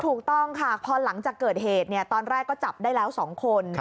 ถูกต้องค่ะพอหลังจากเกิดเหตุตอนแรกก็จับได้แล้ว๒คน